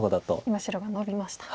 今白がノビました。